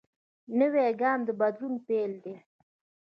نوی ګام د بدلون پیل دی